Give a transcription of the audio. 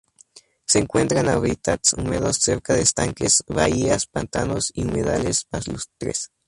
Se encuentra en hábitats húmedos cerca de estanques, bahías, pantanos y humedales palustres.